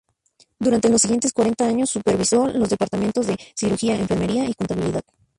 Durante los siguientes cuarenta años supervisó los departamentos de cirugía, enfermería y contabilidad.